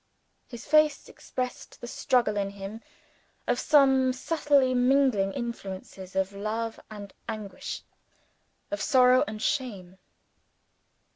His face expressed the struggle in him of some subtly mingling influences of love and anguish, of sorrow and shame.